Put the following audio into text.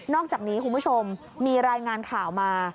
อกจากนี้คุณผู้ชมมีรายงานข่าวมา